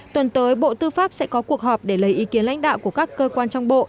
tuần tới bộ tư pháp sẽ có cuộc họp để lấy ý kiến lãnh đạo của các cơ quan trong bộ